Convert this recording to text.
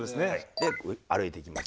で歩いていきます。